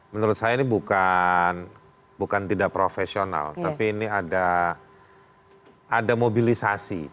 menurut saya ini bukan tidak profesional tapi ini ada mobilisasi